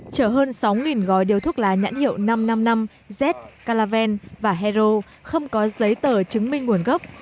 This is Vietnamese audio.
chở hơn sáu gói điếu thuốc lá nhãn hiệu năm trăm năm mươi năm z calaven và hero không có giấy tờ chứng minh nguồn gốc